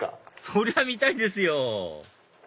そりゃ見たいですよ